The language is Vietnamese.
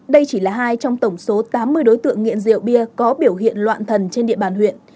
đây chỉ là hai trong tổng số tám mươi đối tượng nghiện rượu bia có biểu hiện loạn thần trên địa bàn huyện